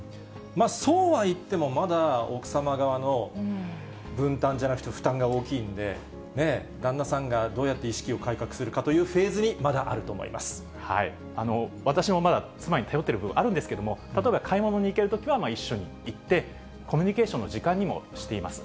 そうは言っても、まだ奥様側の分担じゃなくて、負担が大きいんで、旦那さんがどうやって意識を改革するかというフェーズにま私もまだ妻に頼っている部分、あるんですけれども、例えば買い物に行けるときは一緒に行って、コミュニケーションの時間にもしています。